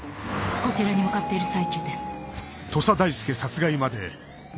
こちらに向かっている最中です。